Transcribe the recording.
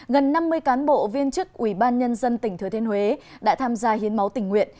gần năm mươi cán bộ viên chức ubnd tỉnh thứa thiên huế đã tham gia hiến máu tình nguyện